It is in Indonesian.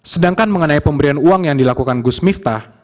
sedangkan mengenai pemberian uang yang dilakukan gus miftah